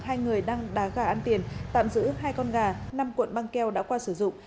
hai người đăng đá gà ăn tiền tạm giữ hai con gà năm cuộn băng keo đã qua sử dụng